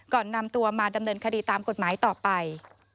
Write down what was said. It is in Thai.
นำตัวมาดำเนินคดีตามกฎหมายต่อไป